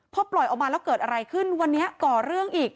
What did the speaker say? พอปล่อยออกมาแล้วเกิดอะไรขึ้นวันนี้ก่อเรื่องอีก